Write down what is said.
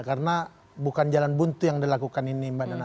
karena bukan jalan buntu yang dilakukan ini mbak nana